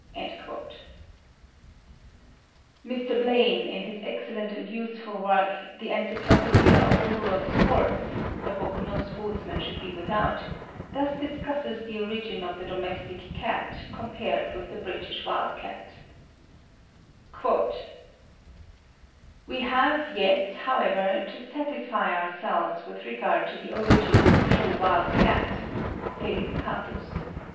Mr. Blaine, in his excellent and useful work, the "Encyclopædia of Rural Sports" a book no sportsman should be without thus discusses the origin of the domestic cat compared with the British wild cat: "We have yet, however, to satisfy ourselves with regard to the origin of the true wild cat (Felis catus, Linn.)